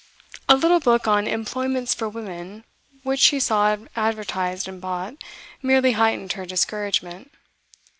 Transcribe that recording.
A little book on 'employments for women,' which she saw advertised and bought, merely heightened her discouragement.